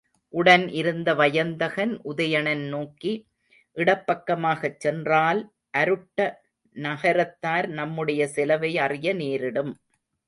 உடன் இருந்த வயந்தகன் உதயணன் நோக்கி, இடப் பக்கமாகச் சென்றால் அருட்ட நகரத்தார் நம்முடைய செலவை அறிய நேரிடும்.